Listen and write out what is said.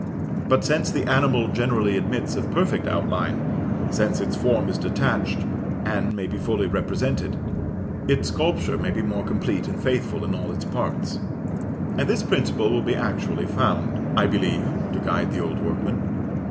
But since the animal generally admits of perfect outline since its form is detached, and may be fully represented, its sculpture may be more complete and faithful in all its parts. And this principle will be actually found. I believe, to guide the old workmen.